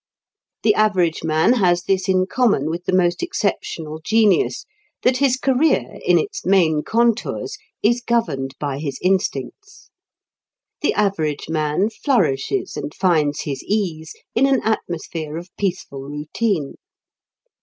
The average man has this in common with the most exceptional genius, that his career in its main contours is governed by his instincts. The average man flourishes and finds his ease in an atmosphere of peaceful routine.